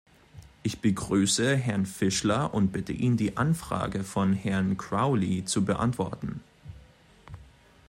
Ich begrüße Herrn Fischler und bitte ihn, die Anfrage von Herrn Crowley zu beantworten.